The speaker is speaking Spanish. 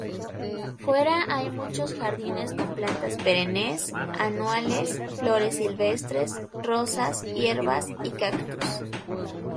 Fuera hay muchos jardines con plantas perennes, anuales, flores silvestres, rosas, hierbas y cactus.